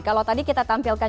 kalau tadi kita tampilkan